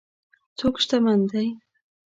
څوک شتمن دی.